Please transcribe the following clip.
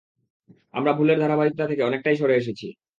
আমরা ভুলের ধারাবাহিকতা থেকে অনেকটাই সরে এসেছি!